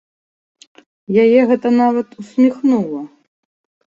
Яе гэта нават усміхнула.